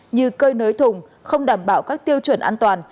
như cơi nới thùng không đảm bảo các tiêu chuẩn an toàn